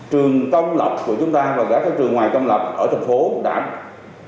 trường công lập của chúng ta và các trường ngoài công lập ở thành phố đã mong đợi cái ngày này